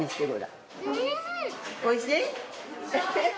おいしい？